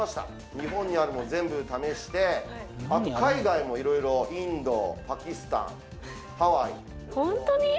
日本にあるもの全部試してあと海外もいろいろインドパキスタンハワイホントに？